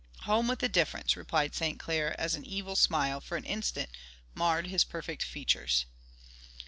"Home with a difference," replied St. Clair, as an evil smile for an instant marred his perfect features.